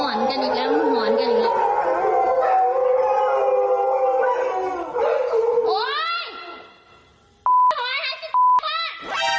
มึงห่อนกันอีกแล้ว